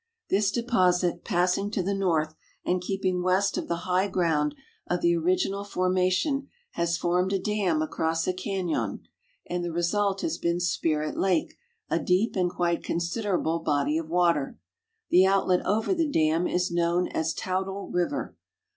This deposit, passing to the north and keeping west of the high ground of the original formation, has formed a dam across a canon, and the result has been Spirit lake, a deep and quite considerable l)ody of water. The outlet over the dam is known as Toutle river.